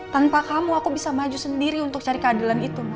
tanpa kamu aku bisa maju sendiri untuk cari keadilan itu